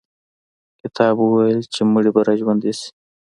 کتاب وویل چې مړي به را ژوندي شي.